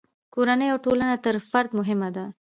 کورنۍ او ټولنه تر فرد مهمه ده.